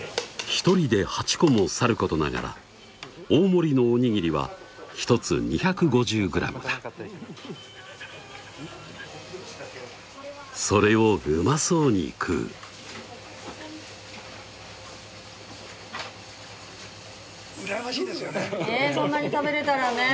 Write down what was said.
１人で８個もさることながら大盛りのおにぎりは１つ２５０グラムだそれをうまそうに食う羨ましいですよねねぇ